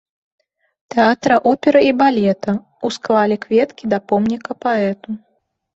Тэатра оперы і балета, усклалі кветкі да помніка паэту.